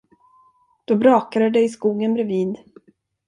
Då brakade det i skogen bredvid.